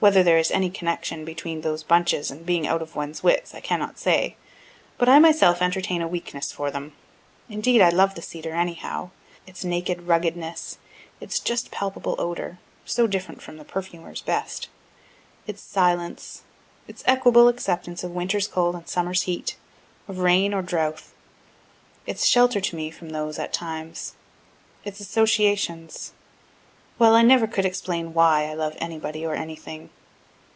Whether there is any connection between those bunches, and being out of one's wits, I cannot say, but I myself entertain a weakness for them. Indeed, I love the cedar, anyhow its naked ruggedness, its just palpable odor, (so different from the perfumer's best,) its silence, its equable acceptance of winter's cold and summer's heat, of rain or drouth its shelter to me from those, at times its associations (well, I never could explain why I love anybody, or anything.)